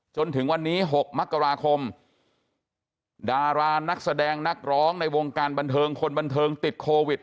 จนถึงวันนี้๖มกราคมดารานักแสดงนักร้องในวงการบันเทิงคนบันเทิงติดโควิด